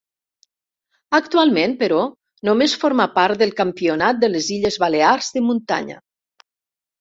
Actualment, però, només forma part del Campionat de les Illes Balears de muntanya.